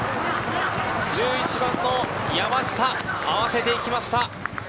１１番の山下、合わせていきました！